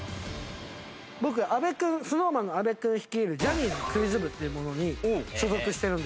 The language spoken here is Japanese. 僕阿部君ＳｎｏｗＭａｎの阿部君率いるジャニーズクイズ部っていうものに所属してるんですよ。